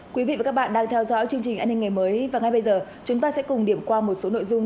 quý vị và các bạn đang theo dõi chương trình an ninh ngày mới và ngay bây giờ chúng ta sẽ cùng điểm qua một số nội dung